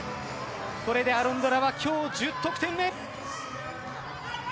これでアロンドラ今日１０得点目。